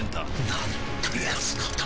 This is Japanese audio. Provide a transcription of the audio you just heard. なんてやつなんだ